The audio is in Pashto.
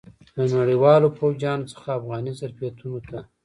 د نړیوالو پوځیانو څخه افغاني ظرفیتونو ته.